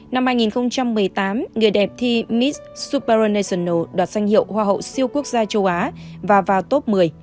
năm hai nghìn một mươi tám người đẹp thi miss supernational đoạt danh hiệu hoa hậu siêu quốc gia châu á và vào top một mươi